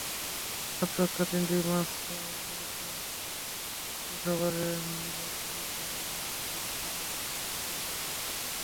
সাত ছক্কার তিনটিই মার্শ মেরেছেন শেষ ওভারে ম্যাট হেনরির টানা তিন বলে।